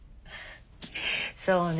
そうね。